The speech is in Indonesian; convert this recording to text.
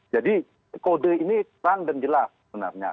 jadi kode ini terang dan jelas sebenarnya